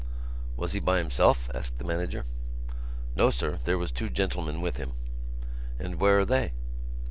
"Was he by himself?" asked the manager. "No, sir. There was two gentlemen with him." "And where are they?"